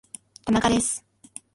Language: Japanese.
田中です